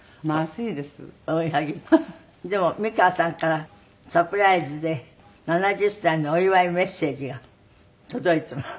でも美川さんからサプライズで７０歳のお祝いメッセージが届いています。